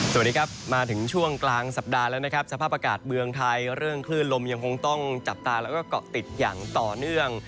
สวัสดีครับมาถึงช่วงกลางสัปดาห์แล้วนะครับสภาพอากาศเมืองไทยเรื่องคลื่นลมยังคงต้องจับตาแล้วก็เกาะติดอย่างต่อเนื่อง